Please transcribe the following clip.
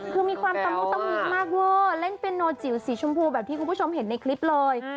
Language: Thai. คือมีความตะมุตะมิมากเวอร์เล่นเป็นโนจิ๋วสีชมพูแบบที่คุณผู้ชมเห็นในคลิปเลย